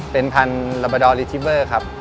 เป็นพันธุรกิจละบดอลครับ